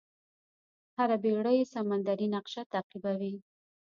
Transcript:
هره بېړۍ سمندري نقشه تعقیبوي.